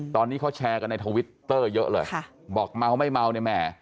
ตอนนี้เขาแชร์กันในทวิตเตอร์เยอะเลยค่ะบอกเมาไม่เมาเนี่ยแม่